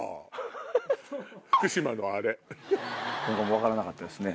分からなかったですね。